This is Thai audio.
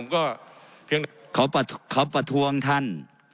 เขาประทวงท่าน